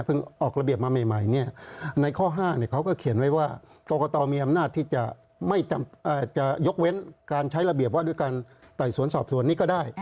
ออกระเบียบมาใหม่ในข้อ๕เขาก็เขียนไว้ว่ากรกตมีอำนาจที่จะยกเว้นการใช้ระเบียบว่าด้วยการไต่สวนสอบสวนนี้ก็ได้